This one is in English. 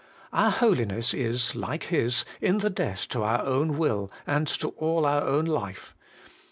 Our holiness is, like His, in the death to our own will, and to all our own life.